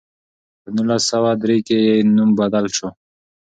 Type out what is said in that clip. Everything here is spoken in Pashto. په نولس سوه درې کې یې نوم بدل شو.